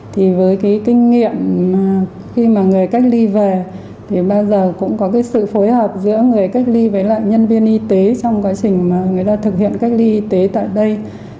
thì với cái kinh nghiệm khi mà người cách ly về thì bao giờ cũng có cái sự phối hợp giữa người cách ly với lại nhân viên y tế trong quá trình mà người ta thực hiện cách ly y tế tại đây